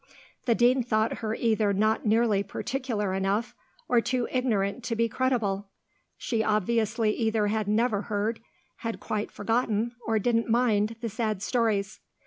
The Dean thought her either not nearly particular enough, or too ignorant to be credible. She obviously either had never heard, had quite forgotten, or didn't mind, the sad stories.